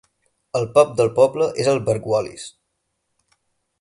El pub del poble és el Burghwallis.